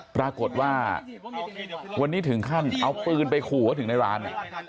ปรากฏว่าวันนี้ถึงขั้นเอาปืนไปขู่เขาถึงในร้าน